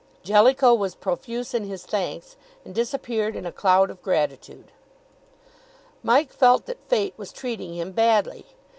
Jellicoe was profuse in his thanks, and disappeared in a cloud of gratitude. Mike felt that Fate was treating him badly.